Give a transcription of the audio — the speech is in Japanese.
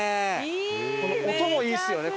この音もいいですよね。